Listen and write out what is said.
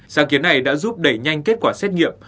sáng kiến này đã giúp đẩy nhanh kết quả xét nghiệm